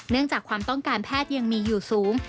จากความต้องการแพทย์ยังมีอยู่สูง